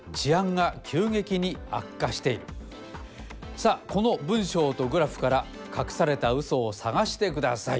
さあこの文章とグラフからかくされたウソを探してください。